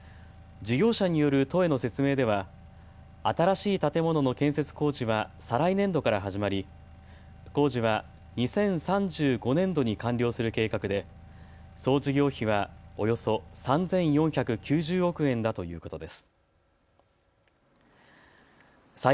事業者による都への説明では新しい建物の建設工事は再来年度から始まり工事は２０３５年度に完了する計画で総事業費はおよそ３４９０億円だということです。